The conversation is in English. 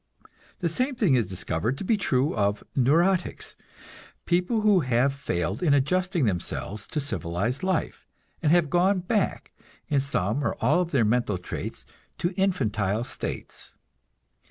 The same thing is discovered to be true of neurotics, people who have failed in adjusting themselves to civilized life, and have gone back, in some or all of their mental traits, to infantile states.